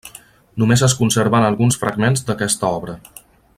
Només es conserven alguns fragments d'aquesta obra.